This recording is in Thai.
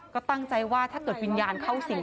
ก็ตั้งใจว่าถ้าเกิดวิญญาณเข้าสิง